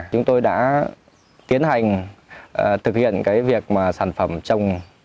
chúng tôi đã tiến hành thực hiện cái việc mà sản phẩm trồng